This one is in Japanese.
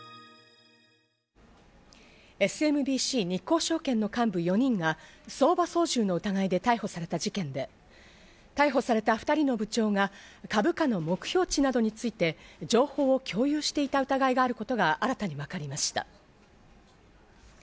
ＳＭＢＣ日興証券の幹部４人が、相場操縦の疑いで逮捕された事件で、逮捕された２人の部長が、株価の目標値などについて、情報を共有していた疑いがあることが新たに分かりました。